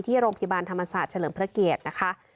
โรงพยาบาลธรรมศาสตร์เฉลิมพระเกียรตินะคะ